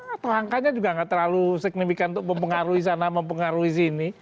atau angkanya juga nggak terlalu signifikan untuk mempengaruhi sana mempengaruhi sini